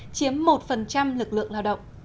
chiếm một lực lượng lao động